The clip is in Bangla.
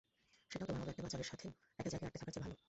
সেটাও তোমার মতো বাচালের সাথে একটা জায়গায় আঁটকে থাকার চেয়ে ভালো।